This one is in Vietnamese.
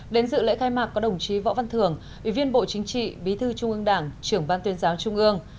đến dự lễ khai mạc có đồng chí võ văn thường ủy viên bộ chính trị bí thư trung ương đảng trưởng ban tuyên giáo trung ương